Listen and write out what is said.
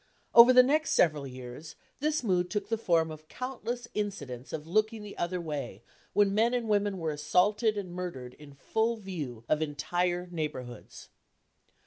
Over the next several years, this mood took the form of countless incidents of looking the other way when men and women were assaulted and murdered in full view of entire neighborhoods.